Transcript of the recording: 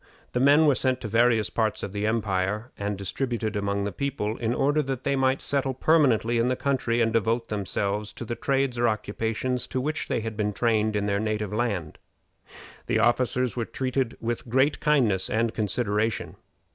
The men were sent to various parts of the empire, and distributed among the people, in order that they might settle permanently in the country, and devote themselves to the trades or occupations to which they had been trained in their native land. The officers were treated with great kindness and consideration.